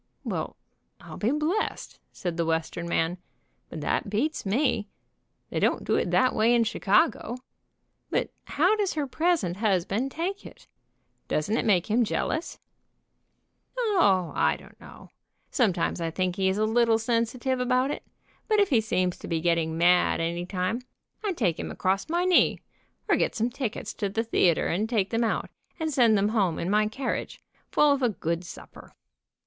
"Well, I'll be blessed," said the Western man, "but that beats me. They don't do that way in Chicago. But how does her present husband take it? Doesn't it make him jealous ?" "O, I don't know. Sometimes I think he is a little sensitive about it, but if he seems to be getting mad any time I take him across my knee, or get some tickets to the theater and take them out, and send them home in my carriage, full of a good supper.